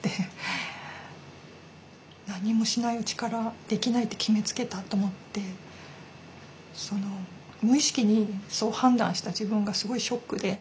何もしないうちからできないって決めつけたと思って無意識にそう判断した自分がすごいショックで。